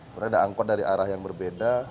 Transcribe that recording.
kemudian ada angkot dari arah yang berbeda